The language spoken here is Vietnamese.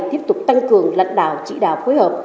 tiếp tục tăng cường lãnh đạo chỉ đạo phối hợp